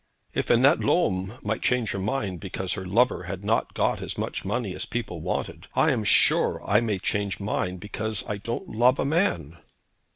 'If Annette Lolme might change her mind because her lover had not got as much money as people wanted, I am sure I may change mine because I don't love a man.'